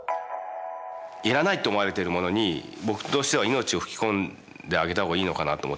いらないと思われているものに僕としては命を吹き込んであげた方がいいのかなと思ってて。